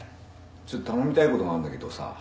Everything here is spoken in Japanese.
ちょっと頼みたい事があるんだけどさ。